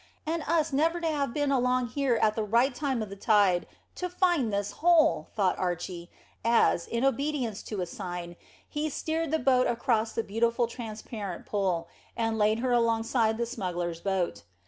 "And us never to have been along here at the right time of the tide to find this hole!" thought Archy, as, in obedience to a sign, he steered the boat across the beautiful transparent pool, and laid her alongside the smugglers boat.